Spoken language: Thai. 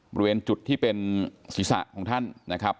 บริเวณจุดที่เป็นศีรษะของท่านนะครับ